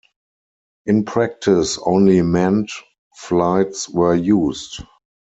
In practise only manned flights were used.